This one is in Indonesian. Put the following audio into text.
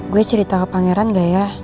gue cerita ke pangeran gak ya